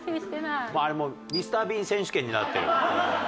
あれもうＭｒ．ビーン選手権になってる。